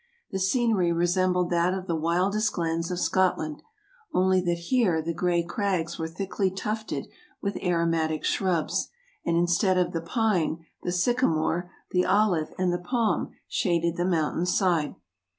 The scenery resembled that of the wildest glens of Scotland, only that here the gray crags were thickly tufted with aromatic shrubs, and instead of the pine, the sycamore, the olive, and the palm shaded the mountain's side.